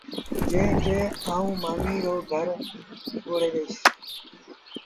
جݩهݩ کي آئوٚنٚ مآݩيٚ رو گرآ ٻوڙي ڏئيٚس